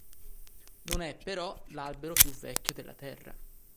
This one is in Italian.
Non è però l'albero più vecchio della Terra.